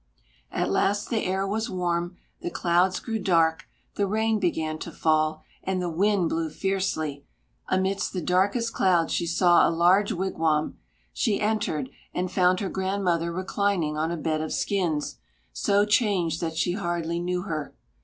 At last the air was warm, the clouds grew dark, the rain began to fall, and the wind blew fiercely; amidst the darkest clouds she saw a large wigwam; she entered and found her grandmother reclining on a bed of skins, so changed that she hardly knew her.